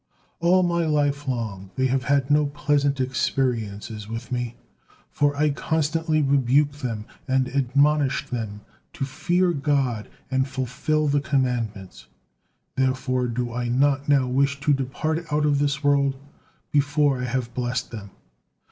All my life long they had no pleasant experiences with me, for I constantly rebuked them and admonished them to fear God and fulfil the commandments, therefore do I not now wish to depart out of this world before I have blessed them."